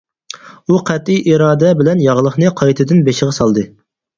ئۇ قەتئىي ئىرادە بىلەن ياغلىقنى قايتىدىن بېشىغا سالدى.